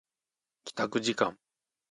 帰宅時間